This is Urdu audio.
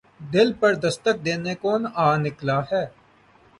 دل پر دستک دینے کون آ نکلا ہے